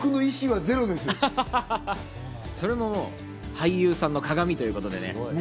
それももう俳優さんの鏡ということでね。